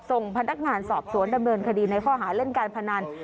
ส่งพนักงานสอบสวนดำเนินคดีในข้อหาเล่นการพนัน